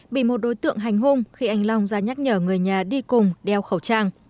bị một đối tượng hành hung khi anh long ra nhắc nhở người nhà đi cùng đeo khẩu trang